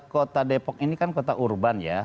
kota depok ini kan kota urban ya